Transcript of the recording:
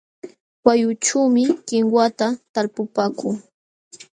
Wayqućhuumi kinwata talpupaakuu.